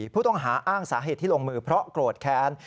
ผู้ต้องหาอ้างสาเหตุที่ลงมือเพราะโกรธแค้น